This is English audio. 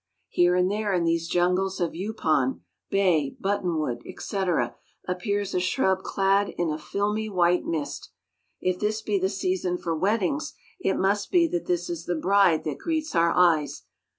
Here and there in these jungles of yupon, bay, buttonwood, etc., appears a shrub clad in a filmy white mist. If this be the season for weddings, it must be that this is the bride that greets our eyes.